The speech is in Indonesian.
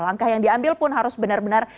langkah yang diambil pun harus benar benar